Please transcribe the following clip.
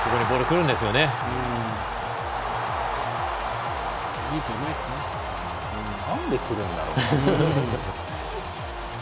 なんで、くるんだろうな。